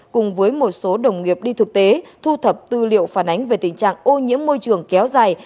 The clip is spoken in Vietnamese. cùng với một số đồng nghiệp đi thực tế thu thập tư liệu phản ánh về tình trạng ô nhiễm môi trường kéo dài